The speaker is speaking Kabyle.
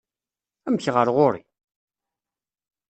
Amek, ɣer ɣur-i?